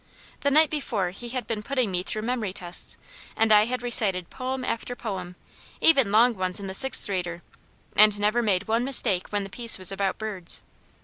The night before he had been putting me through memory tests, and I had recited poem after poem, even long ones in the Sixth Reader, and never made one mistake when the piece was about birds.